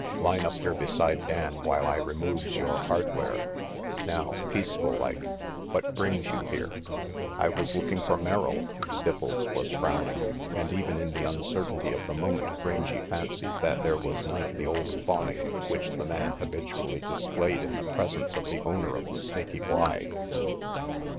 Line up here beside Dan while I renuoves yore hardware. Now, peaceful like, what brings you here?" "I was looking for Merrill," Stipples was frowning, and even in the uncertainty of the moment Rangy fancied that there was none of the old fawning which the man habitually displayed in the presence of the owner of the Snaky Y.